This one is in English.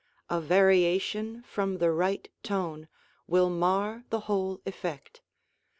A variation from the right tone will mar the whole effect.